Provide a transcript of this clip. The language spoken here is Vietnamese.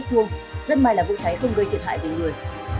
rất may là vụ cháy không gây thiệt hại về người